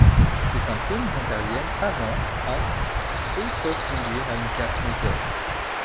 Ces symptômes interviennent avant à et peuvent conduire à une casse moteur.